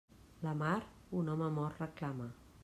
La mar, un home mort reclama.